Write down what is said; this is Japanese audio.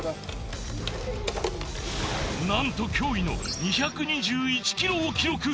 何と驚異の２２１ｋｇを記録